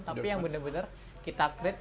tapi yang benar benar kita create